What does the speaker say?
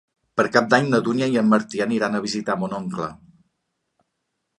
Per Cap d'Any na Dúnia i en Martí aniran a visitar mon oncle.